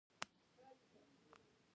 د زلزلې په مقابل کې ستاسو تیاری څه دی؟